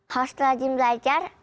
harus terlajin belajar